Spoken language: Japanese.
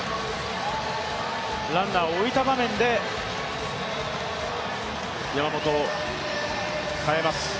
ランナー置いた場面で山本を代えます。